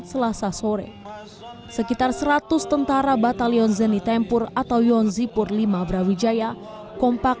selasa sore sekitar seratus tentara batalion zenitempur atau yonzipur v brawijaya kompak